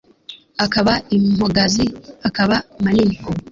akaba impogazi: akaba manini